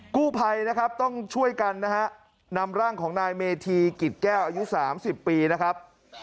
กู้ภัยนะครับต้องช่วยกันนะฮะนำร่างของนายเมธีกิจแก้วอายุ๓๐ปีนะครับ